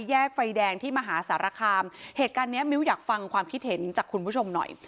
แยกไฟแดงที่มหาสารคามเหตุการณ์เนี้ยมิ้วอยากฟังความคิดเห็นจากคุณผู้ชมหน่อย